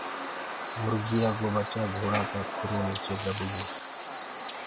مرگيآ ڪو ٻچآ گھوڙآ ڪآ کُرو نيچي دٻگو۔